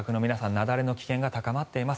雪崩の危険が高まっています。